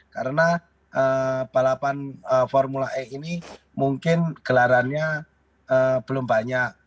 karena balapan formula e ini mungkin gelarannya belum banyak